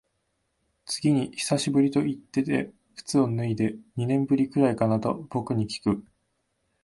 次に久しぶりと言ってて靴を脱いで、二年ぶりくらいかなと僕にきく。